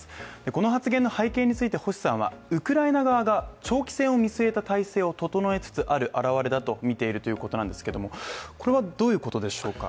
この発言の背景について星さんはウクライナ側が長期戦を見据えた態勢を整えつつある表れだと見ているということなんですけれどもこれはどういうことでしょうか。